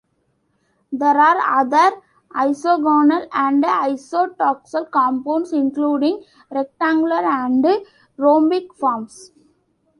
There are other isogonal and isotoxal compounds including rectangular and rhombic forms.